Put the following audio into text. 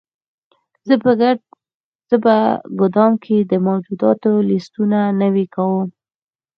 زه په ګدام کې د موجوداتو لیستونه نوي کوم.